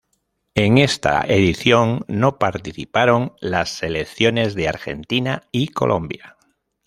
En esta edición no participaron las selecciones de Argentina y Colombia.